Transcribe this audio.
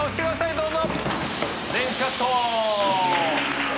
どうぞ。